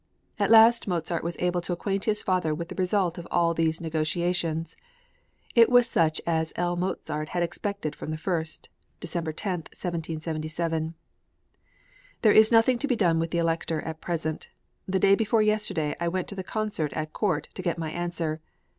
At last Mozart was able to acquaint his father with the result of all these negotiations; it was such as L. Mozart had expected from the first (December 10, 1777): There is nothing to be done with the Elector at present. The day before yesterday I went to the concert at court to get my answer.